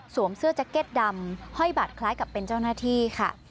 เสื้อแจ็คเก็ตดำห้อยบัตรคล้ายกับเป็นเจ้าหน้าที่ค่ะ